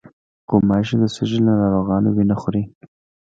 غوماشې د سږي له ناروغانو وینه خوري.